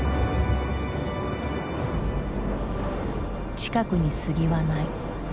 近くに杉はない。